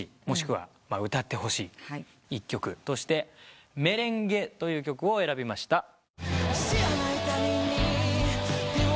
もしくは歌ってほしい一曲として『メレンゲ』という曲を選びました。